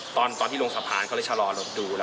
ตอนที่ลงสะพานเขาเลยชะลอรถดู